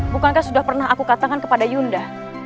bukankah sudah pernah aku katakan kepada yunda